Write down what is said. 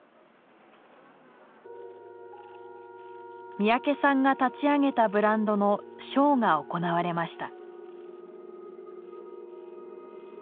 三宅さんが立ち上げたブランドのショーが行われました。